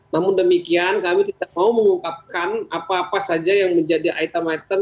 namun demikian kami tidak mau mengungkapkan apa apa saja yang menjadi item item